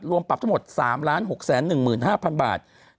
ปรับทั้งหมด๓๖๑๕๐๐๐บาท